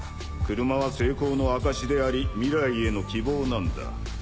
車は成功の証しであり未来への希望なんだ。